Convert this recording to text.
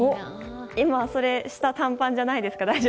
今下は短パンじゃないですか？